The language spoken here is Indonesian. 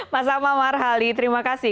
mas amal marhali terima kasih